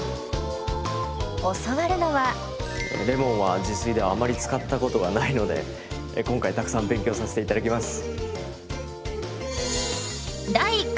教わるのはレモンは自炊ではあまり使ったことがないので今回たくさん勉強させて頂きます！